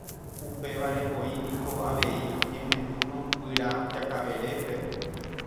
Upevarevoi niko avei oñehendúrõ guyra Jakaverépe